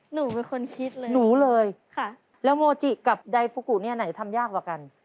หนูเป็นคนคิดเลยหนูเลยค่ะแล้วโมจิกับไดฟุกุเนี่ยไหนทำยากกว่ากัน